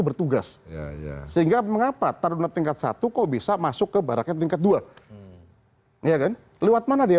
bertugas sehingga mengapa taruh tingkat satu kok bisa masuk ke barangnya tingkat dua lewat mana dia